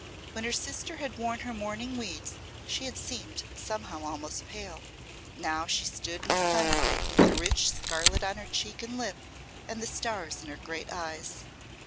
When her sister had worn her mourning weeds she had seemed somehow almost pale; but now she stood in the sunlight with the rich scarlet on her cheek and lip, and the stars in her great eyes.